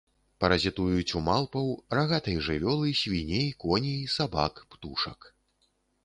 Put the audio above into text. Паразітуюць у малпаў, рагатай жывёлы, свіней, коней, сабак, птушак.